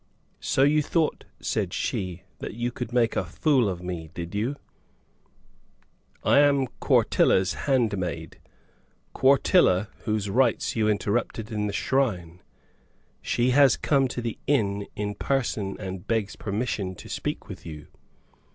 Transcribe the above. "So you thought," said she, "that you could make a fool of me, did you? I am Quartilla's handmaid: Quartilla, whose rites you interrupted in the shrine. She has come to the inn, in person, and begs permission to speak with you.